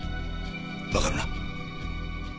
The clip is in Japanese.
わかるな？